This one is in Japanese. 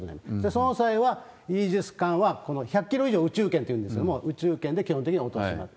その際は、イージス艦はこの１００キロ以上を宇宙圏というんですけれども、宇宙圏で基本的には落とします。